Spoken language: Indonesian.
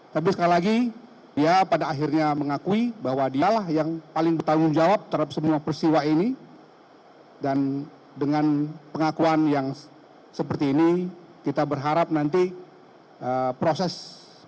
tapi sekali lagi dia pada akhirnya mengakui bahwa dialah yang paling bertanggung jawab terhadap semua persiwa ini dan dengan pengakuan yang seperti ini kita berharap nanti proses